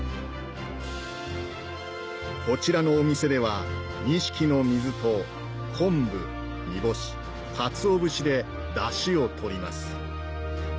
こちらのお店では錦の水と昆布煮干しかつお節でダシを取ります